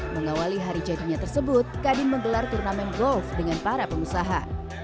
mengawali hari jadinya tersebut kadin menggelar turnamen golf dengan para pengusaha